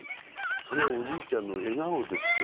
「それはおじいちゃんの笑顔です」と。